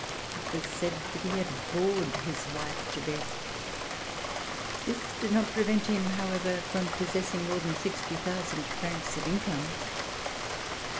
It was said that he had bored his wife to death. This did not prevent him, however, from possessing more than 60,000 francs of income.